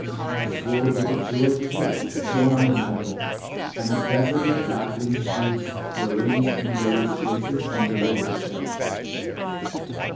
A sword with a jewelled hilt shone on the mantel, and a dozen dazzling shields were ranged in various places on the low bookshelves.